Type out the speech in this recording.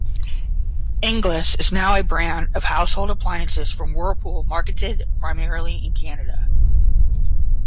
"Inglis" is now a brand of household appliances from Whirlpool marketed primarily in Canada.